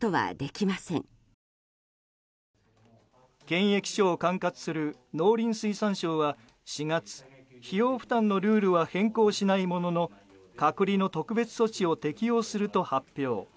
検疫所を管轄する農林水産省は４月費用負担のルールは変更しないものの隔離の特別措置を適用すると発表。